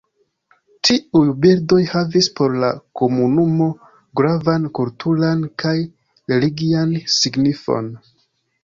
Tiuj bildoj havis por la komunumo gravan kulturan kaj religian signifon.